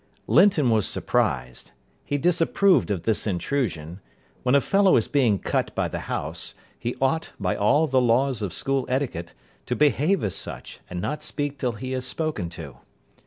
Linton was surprised. He disapproved of this intrusion. When a fellow is being cut by the house, he ought, by all the laws of school etiquette, to behave as such, and not speak till he is spoken to.